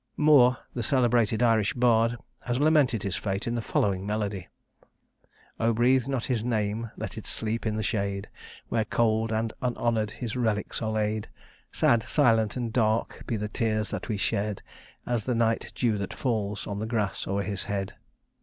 Moore, the celebrated Irish bard, has lamented his fate in the following melody: Oh! breathe not his name let it sleep in the shade! Where cold and unhonor'd his relics are laid! Sad, silent, and dark, be the tears that we shed, As the night dew that falls on the grass o'er his head.